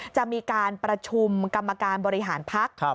จะมีการประชุมกรรมการบริหารพัก